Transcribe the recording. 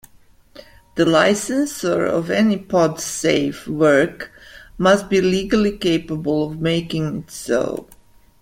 The licensor of any podsafe work must be legally capable of making it so.